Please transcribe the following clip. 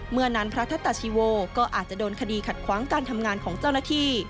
เมื่อนั้นพระทัตตาชีโวก็อาจจะโดนคดีขัดขวางการทำงานของเจ้าหน้าที่